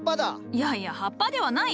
いやいや葉っぱではない。